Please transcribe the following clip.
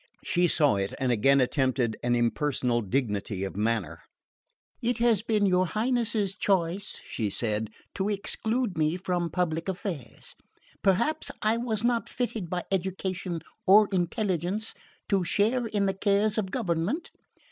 She saw it and again attempted an impersonal dignity of manner. "It has been your Highness's choice," she said, "to exclude me from public affairs. Perhaps I was not fitted by education or intelligence to share in the cares of government.